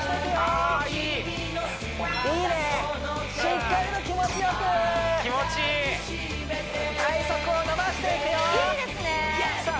あいいいいねしっかりと気持ちよく気持ちいい体側を伸ばしていくよいいですねさあ